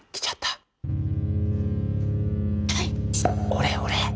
俺俺